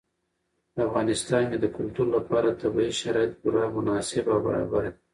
په افغانستان کې د کلتور لپاره طبیعي شرایط پوره مناسب او برابر دي.